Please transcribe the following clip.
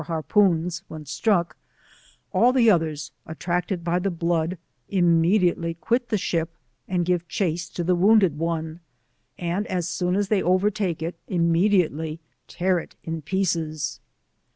C 2 20 harpooos, when sfnick, all the others, attracted by the blood, immediately quit the ship and give chase to the wounded one, and as soon as they overtake it immediately tear it in pieces.